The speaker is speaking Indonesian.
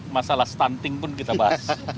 masalah stunting pun kita bahas